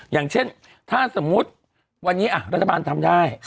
อย่างเช่นถ้าสมมุติวันนี้รัฐบาลทำได้